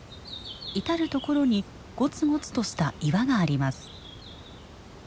至る所にゴツゴツとした岩があります。